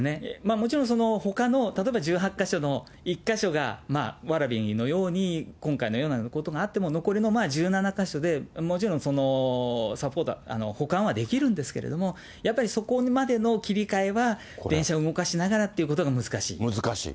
もちろんほかの例えば１８か所の１か所が蕨のように、今回のようなことがあっても、残りの１７か所でもちろん、サポート、補完はできるんですけれども、やっぱりそこまでの切り替えは、電車を動かしながらっていうことが難しい。